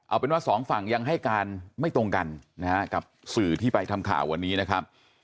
เอาเป็นว่าสองฝั่งยังให้การไม่ตรงกันนะฮะกับสื่อที่ไปทำข่าววันนี้นะครับ